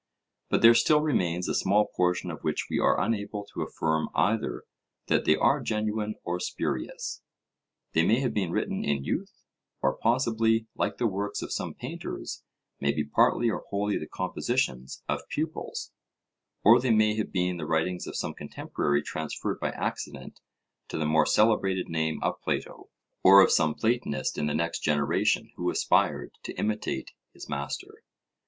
But there still remains a small portion of which we are unable to affirm either that they are genuine or spurious. They may have been written in youth, or possibly like the works of some painters, may be partly or wholly the compositions of pupils; or they may have been the writings of some contemporary transferred by accident to the more celebrated name of Plato, or of some Platonist in the next generation who aspired to imitate his master.